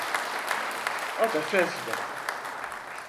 O da söz mü?